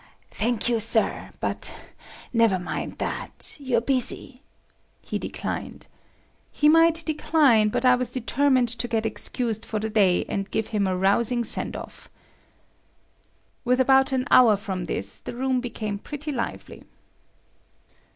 "Thank you, Sir. But never mind that. You're busy," he declined. He might decline, but I was determined to get excused for the day and give him a rousing send off. Within about an hour from this, the room became pretty lively.